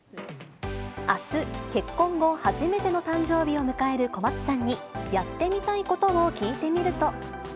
あす、結婚後初めての誕生日を迎える小松さんに、やってみたいことを聞いてみると。